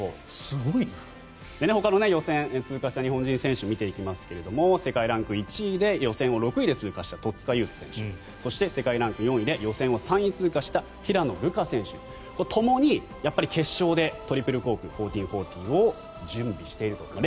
ほかの予選通過した日本人選手を見ていきますが世界ランク１位で予選を６位で通過した戸塚優斗選手そして世界ランク４位で予選を３位で通過した平野流佳選手ともに、やっぱり決勝でトリプルコーク１４４０を準備していると。